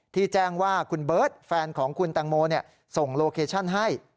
แจ้งว่าคุณเบิร์ตแฟนของคุณแตงโมส่งโลเคชั่นให้